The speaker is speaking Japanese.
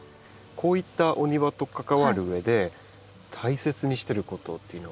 こういったお庭と関わるうえで大切にしてることっていうのは？